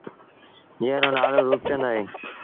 جݩهݩ رو نآلو روپچند اهي۔